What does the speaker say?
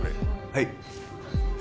はい。